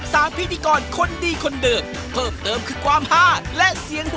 สเม็ดโมงครึ่งทางไทยรัฐทีวีช่อง๓๒